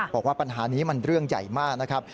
บอกว่าปัญหานี้มันเรื่องใหญ่มากนะครับ